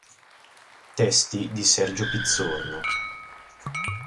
Testi di Sergio Pizzorno.